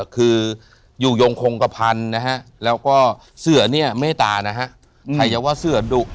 คืออยู่ยงคงกระพันธุ์นะฮะแล้วก็เสือเนี่ยเมตตานะฮะใครจะว่าเสือดุ